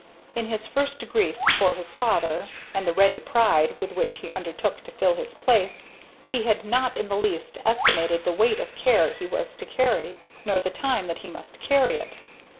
In his first grief for his father, and the ready pride with which he undertook to fill his place, he had not in the least estimated the weight of care he was to carry, nor the time that he must carry it.